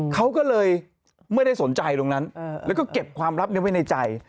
เขาก็เลยไม่ได้สนใจตรงนั้นแล้วก็เก็บความลับนี้ไว้ในใจ